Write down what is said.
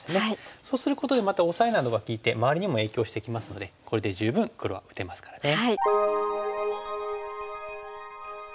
そうすることでまたオサエなどが利いて周りにも影響してきますのでこれで十分黒は打てますからね。